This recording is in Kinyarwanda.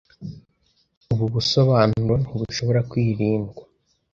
Ubu busobanuro ntibushobora kwirindwa